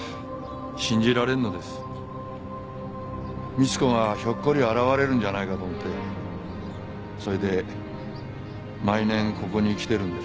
光子がひょっこり現れるんじゃないかと思ってそれで毎年ここに来てるんです。